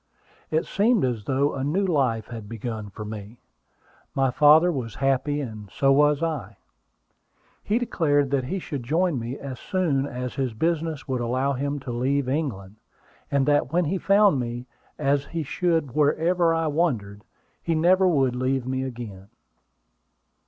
It seemed as though a new life had begun for me. My father was happy, and so was I. He declared that he should join me as soon as his business would allow him to leave England; and that when he found me, as he should wherever I wandered, he never would leave me again.